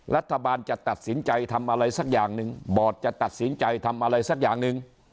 รัฐบาลจะตัดสินใจทำอะไรสักอย่างหนึ่งบอร์ดจะตัดสินใจทำอะไรสักอย่างหนึ่ง